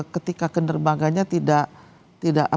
ketika ke dermaganya tidak